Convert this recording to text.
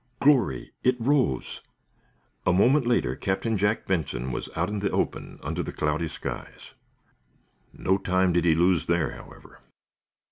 Glory! It rose! A moment later Captain Jack Benson was out in the open, under the cloudy skies. No time did he lose there, however.